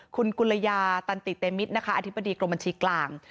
คุณกุลยาตันติเตมิตรนะคะอธิบดีกรมบัญชีกลาง